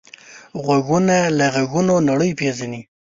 غوږونه له غږونو نړۍ پېژني